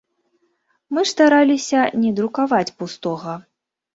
Мы ж стараліся не друкаваць пустога.